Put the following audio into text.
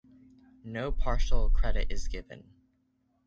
No partial credit is given.